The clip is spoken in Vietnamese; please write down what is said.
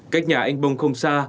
cách nhà anh bông không xa